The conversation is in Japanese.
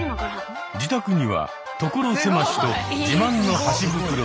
自宅には所狭しと自慢の箸袋がずらり！